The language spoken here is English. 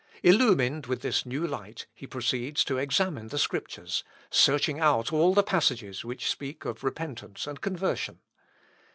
Illumined with this new light, he proceeds to examine the Scriptures, searching out all the passages which speak of repentance and conversion.